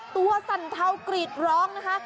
สั่นเทากรีดร้องนะคะ